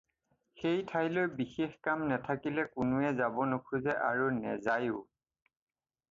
সেই ঠাইলৈ বিশেষ কাম নেথাকিলে কোনোৱে যাব নোখোজ আৰু নেযায়ো।